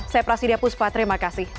saya prasidya puspa terima kasih